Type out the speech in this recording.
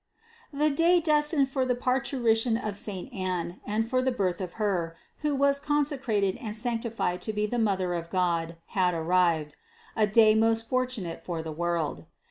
The day destined for the parturition of saint Anne and for the birth of Her, who was consecrated and sanctified to be the Mother of God, had arrived: a day most fortunate for the world.